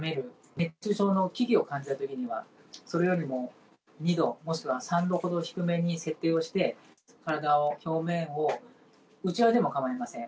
熱中症の危機を感じた時にはそれよりも２度もしくは３度ほど低めに設定をして体の表面をうちわでも構いません